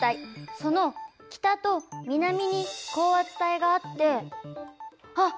その北と南に高圧帯があってあっ